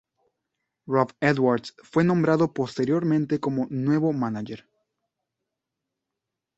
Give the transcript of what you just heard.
Rob Edwards fue nombrado posteriormente como nuevo mánager.